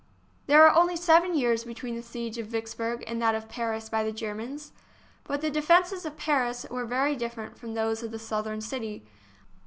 There are only seven years between the siege of Vicksburg and that of Paris by the Germans. But the defences of Paris were very different from those of the Southern city.